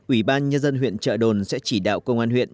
ủy ban nhân dân huyện trợ đồn sẽ chỉ đạo công an huyện